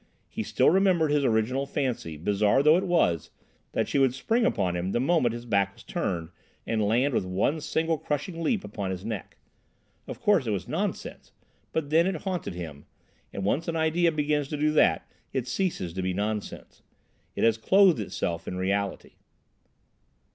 He still remembered his original fancy, bizarre though it was, that she would spring upon him the moment his back was turned and land with one single crushing leap upon his neck. Of course it was nonsense, but then it haunted him, and once an idea begins to do that it ceases to be nonsense. It has clothed itself in reality.